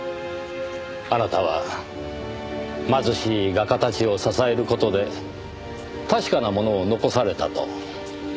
あなたは貧しい画家たちを支える事で確かなものを残されたと。